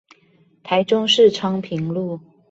台中市昌平路